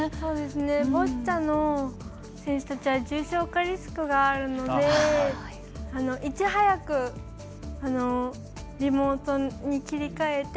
ボッチャの選手たちは重症化リスクがあるのでいち早くリモートに切り替えて。